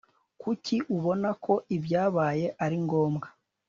Kuki ubona ko ibyabaye ari ngombwa